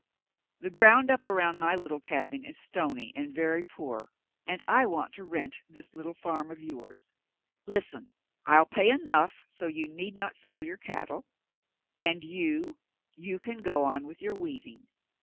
The ground up around my little cabin is stony and very poor, and I want to rent this little farm of yours. Listen — I'll pay enough so you need not sell your cattle, and you — you can go on with your weaving.